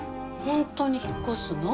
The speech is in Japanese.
本当に引っ越すの？